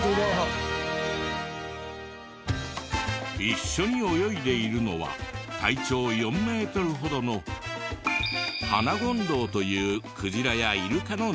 一緒に泳いでいるのは体長４メートルほどのハナゴンドウというクジラやイルカの仲間。